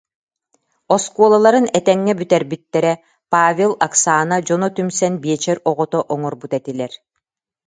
Оскуолаларын этэҥҥэ бүтэрбиттэрэ, Павел, Оксана дьоно түмсэн биэчэр оҕото оҥорбут этилэр